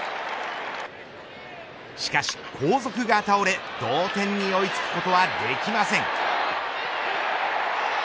しかし後続が倒れ同点に追い付くことはできません。